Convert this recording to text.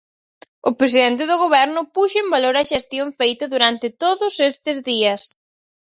O presidente do Goberno puxo en valor a xestión feita durante todos estes días.